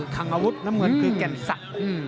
คลังอาวุธนำเมิดคือแก่งสัตว์